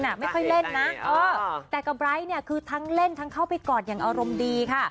ไม่ค่อยเล่นนะเออแต่กับไร้เนี่ยคือทั้งเล่นทั้งเข้าไปกอดอย่างอารมณ์ดีค่ะ